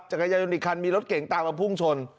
จักรยายนอีกคันมีรถเก่งตามมาพุ่งชน